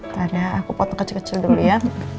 karena aku potong kecil kecil dulu ya